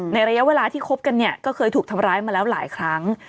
ระยะเวลาที่คบกันเนี่ยก็เคยถูกทำร้ายมาแล้วหลายครั้ง